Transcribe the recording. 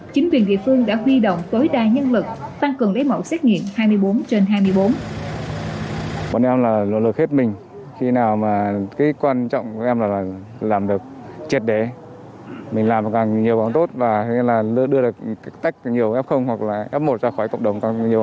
chính quyền địa phương đã huy động tối đa nhân lực tăng cường lấy mẫu xét nghiệm hai mươi bốn trên hai mươi bốn